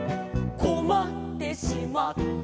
「こまってしまって」